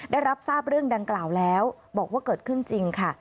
ได้รับทราบเรื่องดังกล่าวแล้วบอกว่าเกิดขึ้นจริงค่ะ